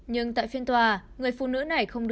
nhưng tại phiên tòa người phụ nữ này không có tên